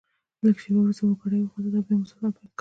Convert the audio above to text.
لږ شیبه وروسته اورګاډي وخوځېدل او بیا مو سفر پیل کړ.